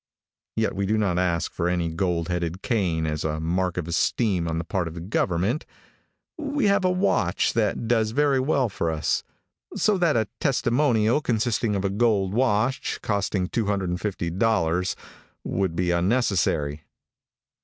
Yet we do not ask for any gold headed cane as a mark of esteem on the part of the government. We have a watch that does very well for us, so that a testimonial consisting of a gold watch, costing $250, would be unnecessary.